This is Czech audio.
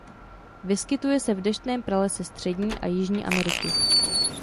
Vyskytuje se v deštném pralese Střední a Jižní Ameriky.